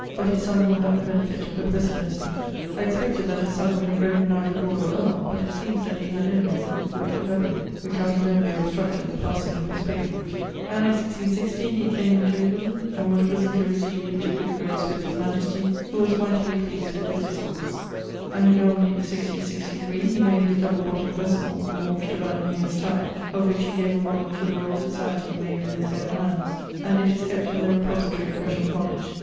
], but his sonne will have the benefitt of the precedency. [I expected that his sonne would have broken out a lord or earle: ☞ but it seemes that he had enemies at the court at Dublin, which out of envy obstructed the passing of his patent.] [LVI.] Χρυσᾶ ἔπη Pythagorae: Πέφυλαξό γε ταῦτα ποιεῖν ὁπόσα φθόνον ἔχει. Anno 1660 he came into England, and was presently recieved into good grace with his majestie, who was mightily pleased with his discourse. Anno Domini 1663 he made his double bottom'd vessell (launched about new yeere's tide), of which he gave a modell to the Royall Societie made with his owne hands, and it is kept in the repository at Gresham College.